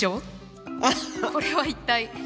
これは一体。